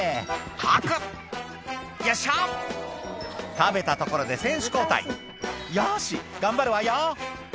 「パクっよっしゃ！」食べたところで選手交代「よし頑張るわよ」